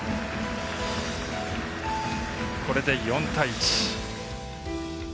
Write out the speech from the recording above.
これで４対１。